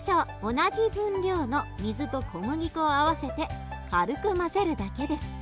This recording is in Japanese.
同じ分量の水と小麦粉を合わせて軽く混ぜるだけです。